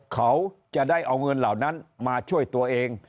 เขาจะได้เอาเงินเหล่านั้นมาช่วยตัวเอง